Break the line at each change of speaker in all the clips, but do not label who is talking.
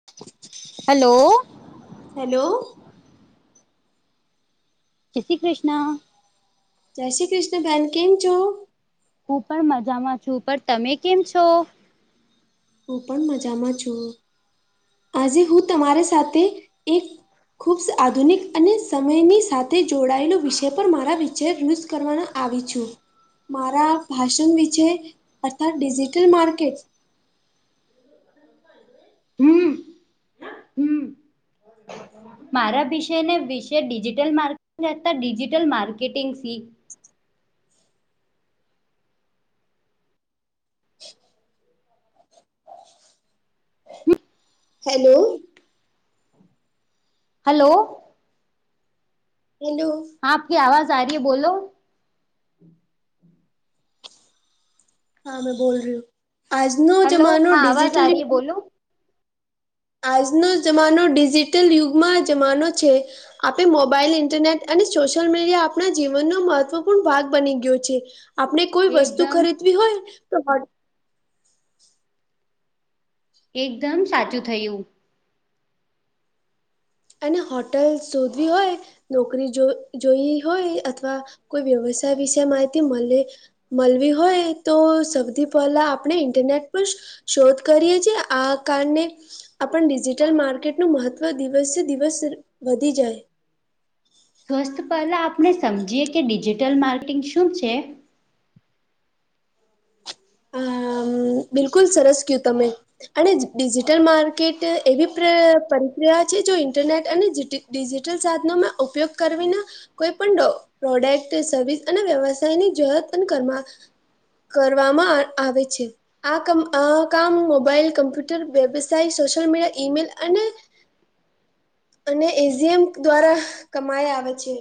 બ [inaudible]
hello.
Hello.
જય શ્રી કૃષ્ણ.
જય શ્રી કૃષ્ણ બેન કેમ છો?
હું પણ મજામાં છું પણ તમે કેમ છો?
હું પણ મજામાં છું આજે હું તમારી સાથે એક ખૂબ શ આધુનિક અને સમયની સાથે જોડાયેલો વિષય પર મારા વિચાર યુઝ કરવાના આવી છું મારા ભાષણ વિશે અર્થાત ડિજિટલ માર્કેટ
હમ હમ મારા વિષયને વિશે ડિજિટલ માર્ટતા ડિજિટલ માર્કેટિં સી.
હેલો.
હલો.
હેલો.
આપ કી આવાજ આ રહી હે બોલો.
હા મે બોલ રહી હું આજનો
હલો
જમાનો
હા આવાજ
ડિજિટલ
આ રહી હે બોલો.
આજનો જમાનો ડિજિટલ યુગમાં જમાનો છે. આપે મોબાઈલ ઇન્ટરનેટ અને સોશિયલ મીડિયા આપણા જીવનનો મહત્વપૂર્ણ ભાગ બની ગયો છે. આપને કોઈ વસ્તુ
એકદમ
ખરીદવી હોય તો.
એકદમ સાચું થયું.
એને હોટલ શોધવી હોય. નોકરી જો જોઈ હોય અથવા કોઈ વ્યવસાય વિશે માહિતી મલે. મલવી હોય તો સૌથી પહેલા આપણે ઇન્ટરનેટ પર શોધ કરીએ છે આ કારણે આપણ ડિજિટલ માર્કેટનું મહત્વ. દિવસે દિવસ વધી જાય.
સ્વસ્થ પહેલાં આપણે સમજીએ કે ડિજિટલ માર્કિંગ શું છે.
આમ બિલકુલ સરસ કયુ તમે. અને ડિજિટલ માર્કેટ એવી પ્ર પરિક્રિયા છે જો ઇન્ટરનેટ અને જીટી ડિજિટલ સાઘનો મા ઉપયોગ કરવીને. કોઈ પણ ડ પ્રોડક્ટ સર્વિસ અને વ્યવસાયની જરૂરત અને કરમા. કરવામાં આવે છે. આ કમ આ કામ મોબાઈલ કમ્પ્યુટર વ્યવસાય સોશિયલ મીડિયા ઈમેલ અને અને એજીએમ દ્વારા કમાયા આવે છે.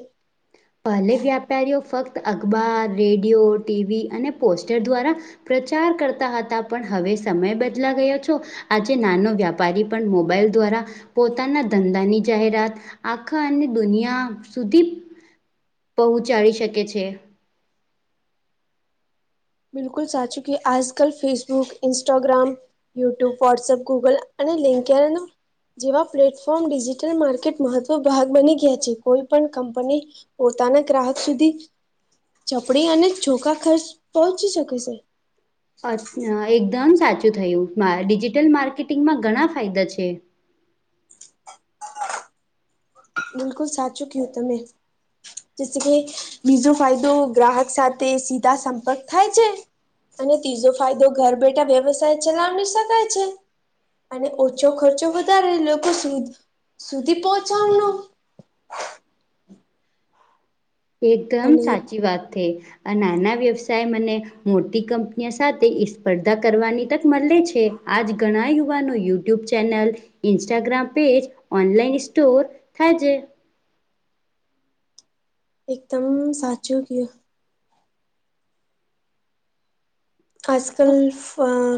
પહેલે વ્યાપારીઓ ફક્ત અખબાર રેડિયો ટીવી અને પોસ્ટર દ્વારા પ્રચાર કરતા હતા પણ હવે સમય બદલા ગયો છો. આજે નાનો વ્યાપારી પણ મોબાઈલ દ્વારા પોતાના ધંધાની જાહેરાત આખા અને દુનિયા સુધી પહોંચાડી શકે છે.
બિલકુલ સાચું કે આજ કલ Facebook Instagram YouTube WhatsApp Google અને લિંક કેરનું. જેવા પ્લેટફોર્મ ડિજિટલ માર્કેટ મહત્વ ભાગ બની ગયા છે કોઈ પણ કંપની પોતાના ગ્રાહક સુધી ચપડી અને ચોખા ખર્ચ પહોંચી શકે છે.
અ એકદમ સાચું થયું મા ડિજિટલ માર્કેટિંગમાં ઘણા ફાયદા છે.
બિલકુલ સાચું કિયુ તમે. જે કે બીજો ફાયદો ગ્રાહક સાથે સીધા સંપર્ક થાય છે અને ત્રીજો ફાયદો ઘર બેઠા વ્યવસાય ચલાવી શકાય છે અને ઓછો ખર્ચો વધારે લોકો સુ સુધી પહોંચાડનો
એકદમ
અને
સાચી વાત થે આ નાના વ્યવસાય મને મોટી કંપનીઓ સાથે એ સ્પર્ધા કરવાની તક મળે છે આજ ઘણા યુવાનો YouTube channel Instagram page online store થાય છે
એકદમ સાચું કયો આજ કલ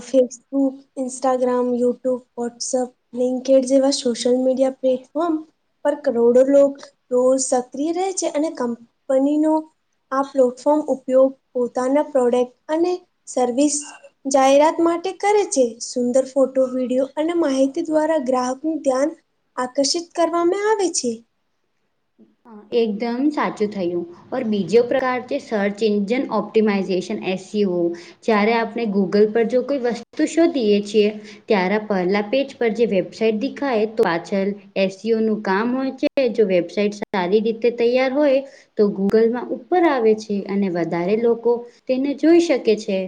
Facebook Instagram YouTube WhatsApp LinkedIn જેવા સોશિયલ મીડિયા પ્લેટફોર્મ પર કરોડો લો રોજ સક્રિય રહે છે અને કંપનીનો આ પ્લેટફોર્મ ઉપયોગ પોતાના પ્રોડક્ટ અને સર્વિસ જાહેરાત માટે કરે છે સુંદર ફોટો વિડીિયો અને માહિતી દ્વારા ગ્રાહકનું ધ્યાન આકર્ષિત કરવામાં આવે છે
એકદમ સાચું થયું ઓર બીજો પ્રકાર છે search engine optimization S O જય્યારે આપણે ગૂગલ પર જો કોઈ વસ્તુ શોધીએ છીએ ત્યારે પહેલા પેજ પર જે વેબસાાઈટ દેખાય તો પાછળ એસસીઓ નું કામ હોય છે જો વેબસાઇટ સારી રીતે તૈયાર હોય તો ગૂગલમાં ઉપર આવે છે અને વધારે લોકો તેને જોઈ શકે છે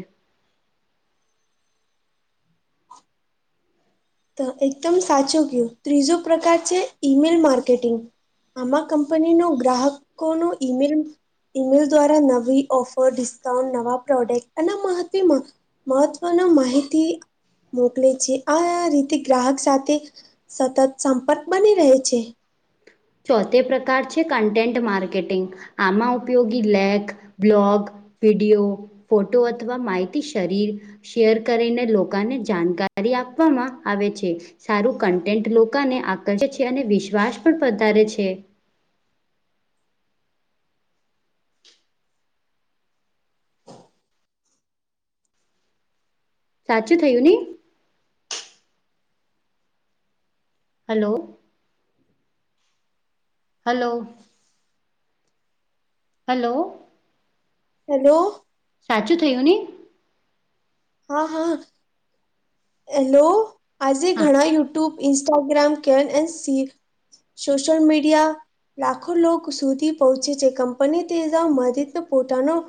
તો એકદમ સાચું કય ત્રીજો પ્રકાર છે ઈમેલ માર્કેટિંગ આમાં કંપનીનો ગ્રાહકોનું ઈમેલ ઈમેલ દ્વારા નવી ઓફર ડિસ્કાઉન્ટ નવા પ્રોડક્ટ અને [unintelligible] મહત્વની માહિતી મોકલે છે આ રીતે થી ગ્રાહક સાથે સતત સંપર્ક બની રહે છે.
ચોથે પ્રકાર છે કન્ટેન્ટ માર્કેટિંગ આમાં ઉપયોગી લેગ બ્લોગ વિડિયો ફોટો અથવા માહિતી શરીર શેર કરીને લોકોને જાણકારી આપવામાં આવે છે. સારું કન્ટેન્ટ લોકોને આકર્ષે છે અને વિશ્વાસ પણ વધારે છે. સાચું થયું ને હલો. હલો. હલો.
હેલો.
સાચું થયું ને.
હા હા હેલો આજે
હા
ઘણા યુટ્યુબ ઇસ્ટાગ્રામ કેન એ સી સોશલ મીડિયા લાખો લોકો સુધી પહોંચે છે કંપની તે જા માધદને પોતાનો-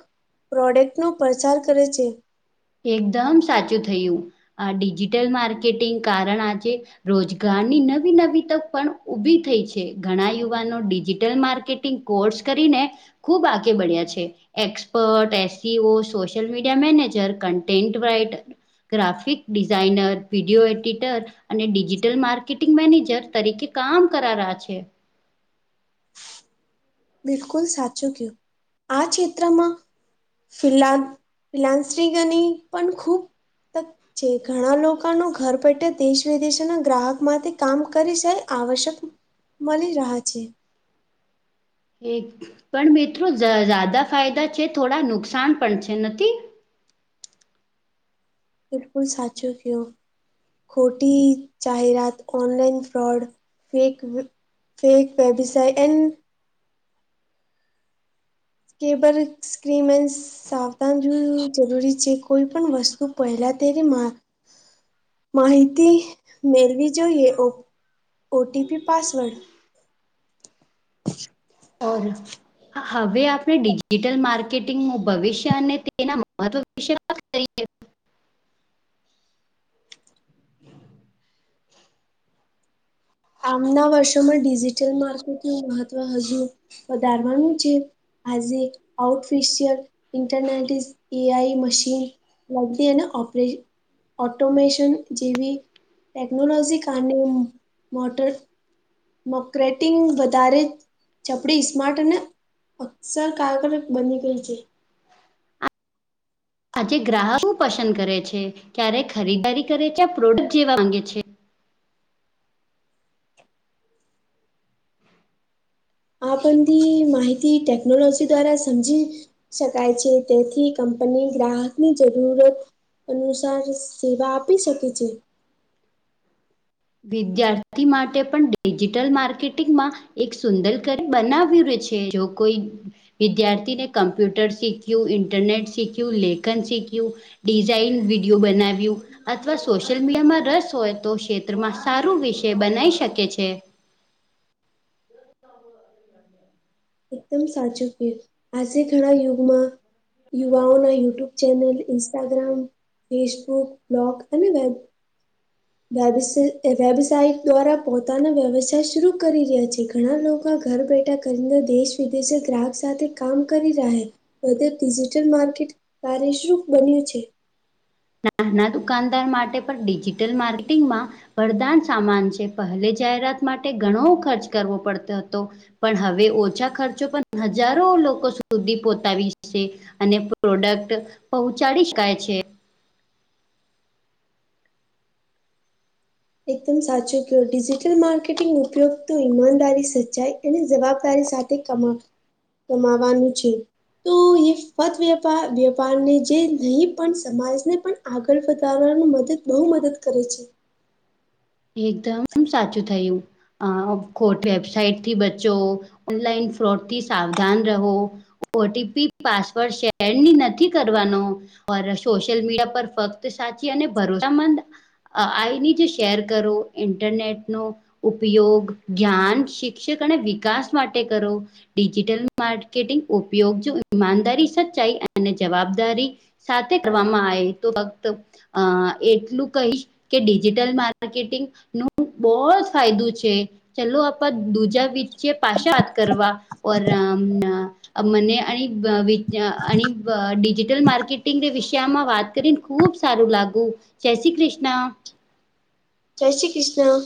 પ્રોડક્ટનો પ્રચાર કરે છે.
એકદમ સાચું થયું આ ડિજિટલ માર્કેટિંગ કારણ આ છે રોજગારની નવી નવી તક પણ ઉભી થઈ છે ઘણા યુવાનો ડિજિટલ માર્કેટ કોર્સ કરીને ખુબ આગે બળ્યા છે expert SEO social media manager content writer graphic designer video editor અને ડિજિટલ માર્કેટિંગ મેનેજર તરીકે કામ કરા્યા છે.
બિલકુલ સાચું કું આ ક્ષેત્રમાં ફિહદ પલાન શ્રી ગણી પણ ખૂબ છે ઘણા લોકોનું ઘર પેટે દેશ વિદેશના ગ્રાહક માંથી કામ કરી શાય આવશ્યક મળી રહ્યા છે.
એક પણ મિત્રોઝદા ફાયદા છે થોડા નુકસાન પણ છે નથી.
બિલકુલ સાચુ કયો. ખોટી જાહેરાત online fraud fake fake website and cyber સ્ક્રીમેન્સ સાવધાન જોવ જરૂરી છે કોઈ પણ વસ્તુ પહેલા તેને મા માહિતી મેળવી જોઈએ ઓ ઓટીપી પાસવર્ડ
અર. હવે આપણે ડિજિટલ માર્કેટિંગનું ભવિષ્ય અને તેના મહત્વ વિશે વાત કરીએ.
આમના વર્ષોમાં ડિજિટલ માર્કેટનું મહત્વ હજુ વધારવાનું છે. આજે આઉટફિશિયલ ઇન્ટરનેટ ઇજ એઆઈ મશીન લગતી એ ના ઓપરેન ઓટોમેશન જેવી ટેકનોલોજી કારને મોટર મક્રેટિંગ વધારે ચપડી સ્માર્ટ અને અક્સર કારગર બની ગઈ છે.
આજે ગ્રાહક શું પસંદ કરે છે ક્યારે ખરીદારી કરે છે યા પ્રોડક્ટ જેવા માંગે છે.
આ બધી માહિતી ટેકનોલોજી દ્વારા સમજી શકાય છે તેથી કંપની ગ્રાહકની જરૂરત અનુસાર જો સેવા આપી શકે છે.
વિદ્યાર્થી માટે પણ ડિજિટલ માર્કેટિંગમાં એક સુંદર કરી બનાવ્યું રે છે જો કોઈ વિદ્યાર્થીને કમ્પ્યુટર શીખ્યું ઇન્ટરનેટ શીખ્યું લેખન શીખ્યું ડિઝઇન વિડીિયો બનાવ્યું અથવા સોશિયલ મીડિયામાં રસ હોય તો માત્ર સારું વિષય બનાવી શકે છે.
એકદમ સાચું કે આજે ઘણા યુગમાં યુવાઓના YouTube channel Instagram Facebook blog અને વેબ વબ વેબસઇટ દ્વારા પોતાનો વ્યવસાય શરૂ કરી રહ્યા છે. ઘણા લોકો ઘર બેઠા કરીને દેશ વિદેશ ગ્રાહક સાથે કામ કરી રહે બધે ડિજિટલ માર્કેટ કાર્યશુભ બન્યું છે.
નાના દુકાનદાર માટે પણ ડિજિટલ માર્કેટિંગમાં વરદાન સામાન છે પહેલે જાહેરાત માટે ઘણો ખર્ચ કરવો પડતો હતો પણ હવે ઓછા ખર્ચો પણ હજારો લોકો સુધી પોતા આવી જશે અને પ્રોડક્ટ પહોંચાડી શકાય છે.
એકદમ સાચું કયો ડિજિટલ માર્કેટિંગ ઉપયોગ તો ઈમાનદારી સચાય એની જવાબદારી સાથે કમા કમાવાનું છે. તો એ ફત વેપાર વેપારને જે નહીં પણ સમાજને પણ આગળ વધારવાનું મદદ બહુ મદદ કરે છે.
એકદમ સાચું થયું અ ખોટ વેબસાઇટ થી બચો ઓનલાઈન ફ્રોડ થી સાવધાન રહો ઓટીપી પાસવર્ડ શેર ની નથી કરવાનો સોશિયલ મીડિયા પર ફક્ત સાચી અને ભરોસ મંદ આઈની જ શેર કરો ઇન્ટરનેટનું ઉપયોગ જ્ઞાન શિક્ષક અને વિકાસ માટે કરો ડિજિટલ માર્કેટિંગ ઉપયોગ જો ઈમાનદારી સચ્ચાઈ અને જવાબદારી સાથે કરવામાં આયે તો ફક્ત એટલું કહીશ કે ડિજિટલ મા ર્કેટિંગ નું બહ જ ફાયદો છે. ચાલો આપત દુજા વિચય પાશાત કરવા ઓરામ નામ અ મને અનીત અ અ અણિત માર્કેટિંગ વિષયમાં વાત કરીને ખુબ સારું લાગુ જય શ્રી કૃષ્ણ
જય શ્રી કૃષ્ણ.